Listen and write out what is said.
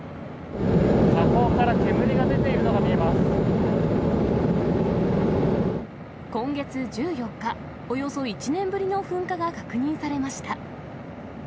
火口から煙が出ているのが見今月１４日、およそ１年ぶりの噴火が確認されました。